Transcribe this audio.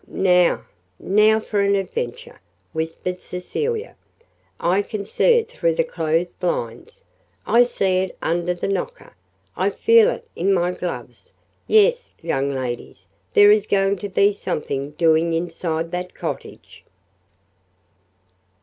"Now now for an adventure!" whispered Cecilia. "I can see it through the closed blinds! I see it under the knocker. I feel it in my gloves! Yes, young ladies, there is going to be something doing inside that cottage!"